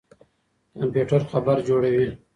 کمپيوټر خبر جوړوي.